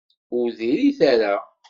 Ur diri-t ara.